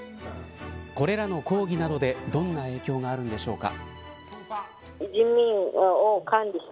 これらの抗議などでどんな影響があるのでしょうか。